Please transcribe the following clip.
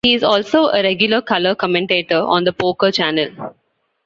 He is also a regular color commentator on "The Poker Channel".